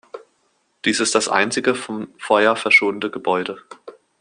Dies ist das einzige vom Feuer verschonte Gebäude.